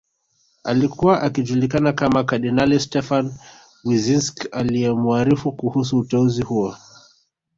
Alikuwa akijulikana kama kardinali Stefan Wyszynsk aliyemuarifu kuhusu uteuzi huo